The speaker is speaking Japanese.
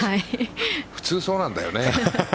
普通、そうなんだよね。